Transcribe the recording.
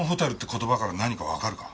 言葉から何かわかるか？